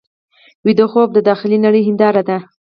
ویده خوب د داخلي نړۍ هنداره ده